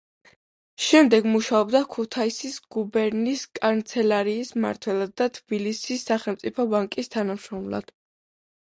შემდეგ მუშაობდა ქუთაისის გუბერნიის კანცელარიის მმართველად და თბილისის სახელმწიფო ბანკის თანამშრომლად.